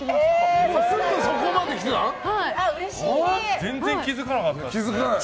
全然気づかなかった。